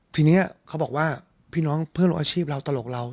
ทีนี้เขาบอกว่าพี่น้องเพื่อนอาชีพเราตลกเรา